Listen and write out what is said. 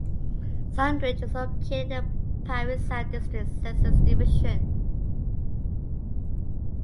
Sundridge is located in the Parry Sound District census division.